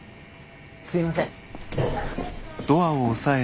すいません。